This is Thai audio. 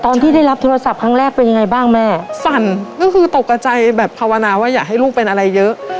ตอนที่ได้รับโทรศัพท์ครั้งแรกเป็นยังไงบ้างแม่สั่นก็คือตกกระใจแบบภาวนาว่าอยากให้ลูกเป็นอะไรเยอะ